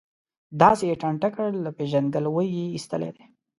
داسې یې ټانټه کړ، له پېژندګلوۍ یې ایستلی دی.